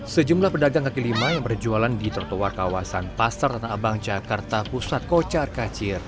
sejumlah pedagang kaki lima yang berjualan di trotoar kawasan pasar tanah abang jakarta pusat kocar kacir